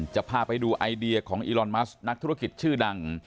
จะพาไปดูไอเดียของอีลอนมัสนักธุรกิจชื่อดัง